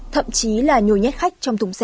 thậm chí là nhồi nhét khách